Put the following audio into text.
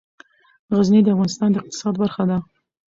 غزني د افغانستان د اقتصاد برخه ده.